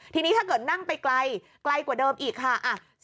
ทีนี้ถ้าเกิดนั่งไปไกลไกลกว่าเดิมอีกค่ะ